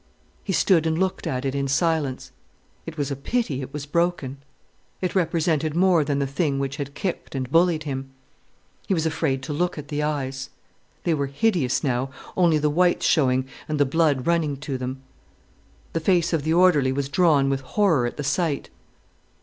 He stood and looked at it in silence. It was a pity it was broken. It represented more than the thing which had kicked and bullied him. He was afraid to look at the eyes. They were hideous now, only the whites showing, and the blood running to them. The face of the orderly was drawn with horror at the sight.